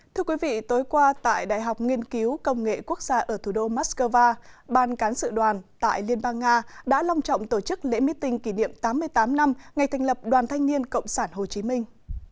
thưa quý vị tối qua tại đại học nghiên cứu công nghệ quốc gia ở thủ đô moscow ban cán sự đoàn tại liên bang nga đã long trọng tổ chức lễ meeting kỷ niệm tám mươi tám năm ngày thành lập đoàn thanh niên cộng sản hồ chí minh